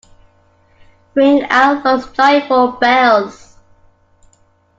Ring out those joyful bells.